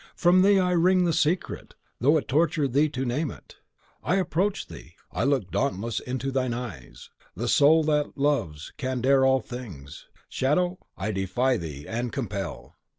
From thee I wring the secret, though it torture thee to name it. I approach thee, I look dauntless into thine eyes. The soul that loves can dare all things. Shadow, I defy thee, and compel!"